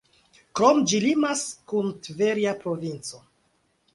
Krome, ĝi limas kun Tverja provinco.